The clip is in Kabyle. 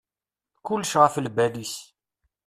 Kulec ɣef lbal-is.